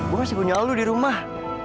gue masih punya alu di rumah